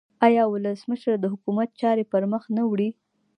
آیا ولسمشر د حکومت چارې پرمخ نه وړي؟